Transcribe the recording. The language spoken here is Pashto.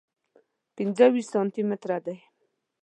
پنځه ویشت سانتي متره دی.